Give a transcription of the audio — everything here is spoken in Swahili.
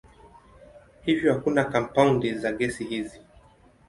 Hivyo hakuna kampaundi za gesi hizi.